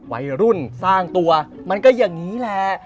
วัยรุ่นสร้างตัวมันก็อย่างนี้แหละ